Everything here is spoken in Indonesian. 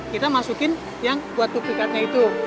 kita masukin yang buat tuplikatnya itu